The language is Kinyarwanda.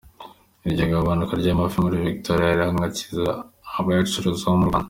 Iryo gabanuka ry’amafi muri Victoria rihanahangayikishije abayacuruza bo mu Rwanda.